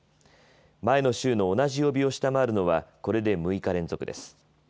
前の週の同じ曜日を下回るのはこれで６日連続です。